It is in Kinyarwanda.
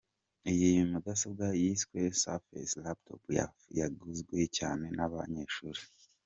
Iyi mudasobwa yiswe ‘Surface Laptop’ yaguzwe cyane n’abanyeshuri.